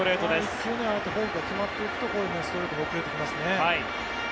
１球目、こうやってフォークが決まっていくとこういうストレートに遅れてきますね。